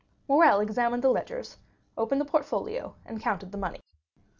Morrel examined the ledgers, opened the portfolio, and counted the money.